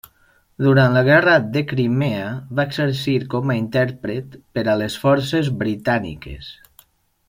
Durant la Guerra de Crimea, va exercir com a intèrpret per a les forces britàniques.